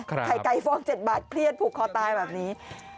ไข่ไก่ฟอง๗บาทเครียดผูกคอตายแบบนี้